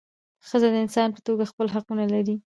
ښځه د انسان په توګه خپل حقونه لري .